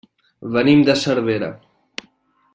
Venim de Cervera.